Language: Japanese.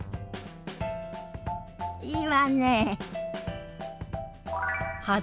いいわね。